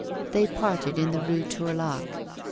They parted in the Rue Tourlaque.